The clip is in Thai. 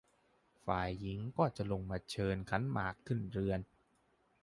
ฝ่ายหญิงก็จะลงมาเชิญขันหมากขึ้นเรือน